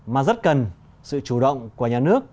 mà rất cần sự chủ động của nhà nước